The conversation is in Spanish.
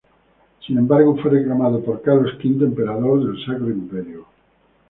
Sin embargo, fue reclamado por Carlos V, emperador del Sacro Imperio.